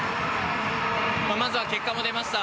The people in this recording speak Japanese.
まずは結果が出ました。